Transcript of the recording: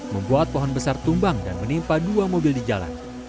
membuat pohon besar tumbang dan menimpa dua mobil di jalan